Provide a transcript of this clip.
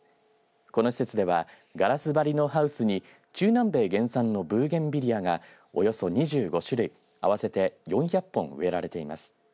この施設ではガラス張りのハウスに中南米原産のブーゲンビリアがおよそ２５種類合わせて４００本植えられています。